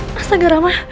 masa gak rama